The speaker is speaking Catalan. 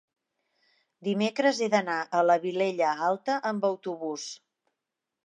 dimecres he d'anar a la Vilella Alta amb autobús.